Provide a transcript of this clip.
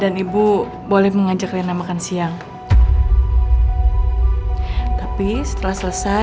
nah belum ada masalah